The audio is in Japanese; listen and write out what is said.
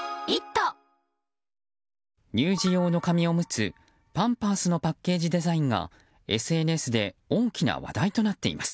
乳児用の紙おむつパンパースのパッケージデザインがＳＮＳで大きな話題となっています。